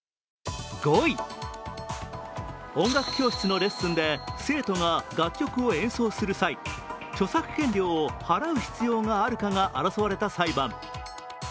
音楽教室のレッスンで生徒が楽曲を演奏する際、著作権料を払う必要があるかが争われた裁判。